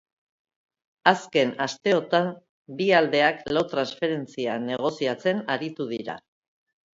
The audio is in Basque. Azken asteotan bi aldeak lau transferentzia negoziatzen aritu dira.